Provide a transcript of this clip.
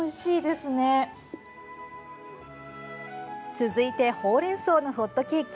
続いて、ほうれん草のホットケーキ。